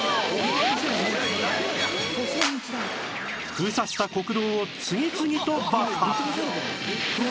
封鎖した国道を次々と爆破